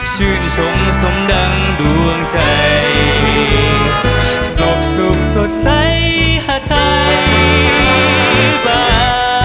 ชื่นชมสมดังดวงใจศพสุขสดใสหาทัยบา